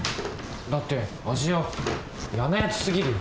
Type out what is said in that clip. だってアジオやなやつすぎるよ。